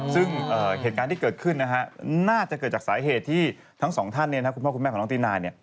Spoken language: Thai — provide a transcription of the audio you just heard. ซึ่งเหตุการณ์ที่เกิดขึ้นน่าจะเกิดจากสาเหตุที่ทั้งสองท่านคุณพ่อคุณแม่ของน้องตินา